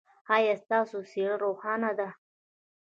ایا ستاسو څیره روښانه ده؟